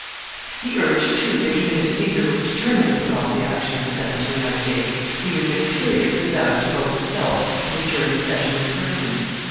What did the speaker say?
] He urged, too, that, even if Caesar was determined to put off the action of the Senate to another day, he was imperiously bound to go himself and adjourn the session in person.